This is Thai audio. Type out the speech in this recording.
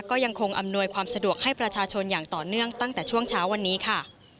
ก็ยังคงอำนวยความสะดวกให้ประชาชนอย่างต่อเนื่องตั้งแต่ช่วงเช้าวันนี้ค่ะ